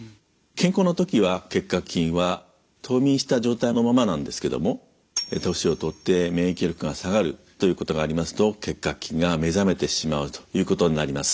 健康の時は結核菌は冬眠した状態のままなんですけども年をとって免疫力が下がるということがありますと結核菌が目覚めてしまうということになります。